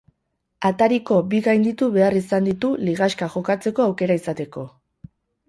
Atariko bi gainditu behar izan ditu ligaxka jokatzeko aukera izateko.